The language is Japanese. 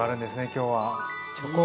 今日は。